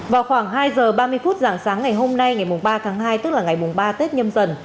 vào khoảng hai giờ ba mươi phút dạng sáng ngày hôm nay ngày ba tháng hai tức là ngày ba tết nhâm dần